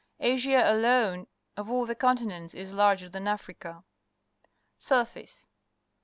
Asia alone of all the continents is larger than Africa. Surface.